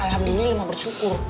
alhamdulillah mak bersyukur